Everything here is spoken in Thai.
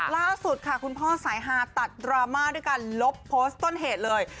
ล่าสุดค่ะคุณพ่อสายฮาตัดดราม่าด้วยการลบโพสต์ต้นเหตุเลย